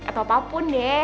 atau apapun deh